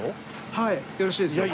はいよろしいですよ。